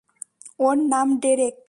ওর নাম ডেরেক।